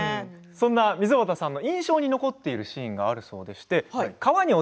石井溝端さんの印象に残ってるシーンがあるそうです。